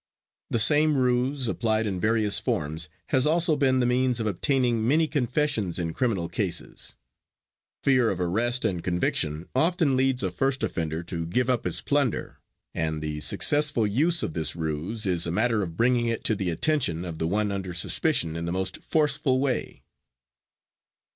The same ruse, applied in various forms, has also been the means of obtaining many confessions in criminal cases. Fear of arrest and conviction often leads a first offender to give up his plunder, and the successful use of this ruse is a matter of bringing it to the attention of the one under suspicion in the most forceful way.